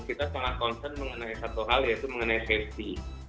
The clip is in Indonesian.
kita sangat concern mengenai satu hal yaitu mengenai safety